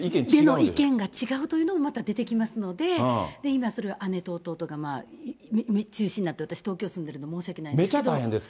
意見が違うというのもまた出てきますので、今、それを姉と弟が中心になって、私、東京住んでるので申し訳ないんでめちゃ大変ですか？